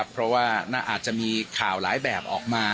เพราะว่าอาจจะมีข่าวหลายแบบออกมา